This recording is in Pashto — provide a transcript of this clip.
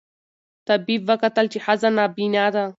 طبیب وکتل چي ښځه نابینا ده